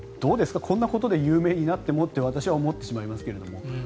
こんなことで有名になってもと私は思ってしまいますが。